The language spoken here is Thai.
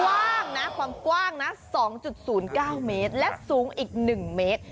กว้างนะความกว้างนะ๒๐๙เมตรและสูงอีก๑เมตร